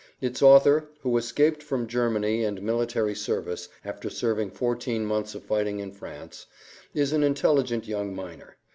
Its author, who escaped from Germany and military service after 14 months of fighting in France, is an intelligent young miner.